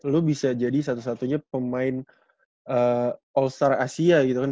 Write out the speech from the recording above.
lo bisa jadi satu satunya pemain all star asia gitu kan